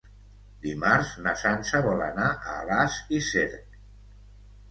Dimarts na Sança vol anar a Alàs i Cerc.